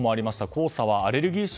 黄砂はアレルギーや